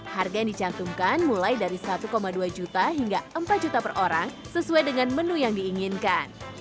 harga yang dicantumkan mulai dari satu dua juta hingga empat juta per orang sesuai dengan menu yang diinginkan